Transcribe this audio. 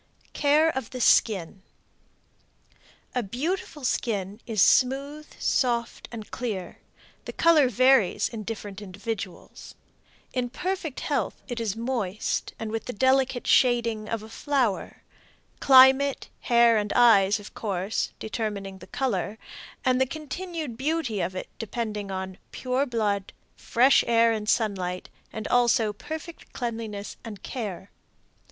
CARE OF THE SKIN. A beautiful skin is smooth, soft and clear; the color varies in different individuals. In perfect health it is moist and with the delicate shading of a flower climate, hair and eyes, of course, determining the color, and the continued beauty of it depending upon pure blood, fresh air and sunlight, also perfect cleanliness and care.